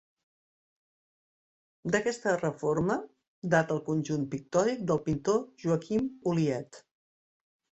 D'aquesta reforma data el conjunt pictòric del pintor Joaquim Oliet.